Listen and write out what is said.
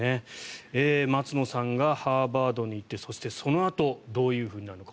松野さんがハーバードに行ってそしてそのあとどういうふうになるのか